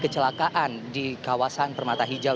kecelakaan di kawasan permata hijau